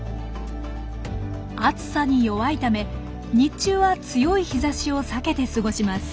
暑さに弱いため日中は強い日ざしを避けて過ごします。